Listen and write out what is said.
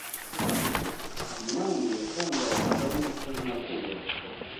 Umwami yatangazwaga n’uko ntabwoba bafite